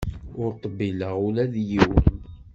Ur dbileɣ ula d yiwen.